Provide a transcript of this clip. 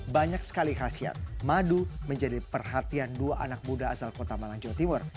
banyak sekali khasiat madu menjadi perhatian dua anak muda asal kota malang jawa timur